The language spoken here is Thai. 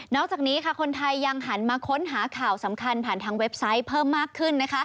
อกจากนี้คนไทยยังหันมาค้นหาข่าวสำคัญผ่านทางเว็บไซต์เพิ่มมากขึ้น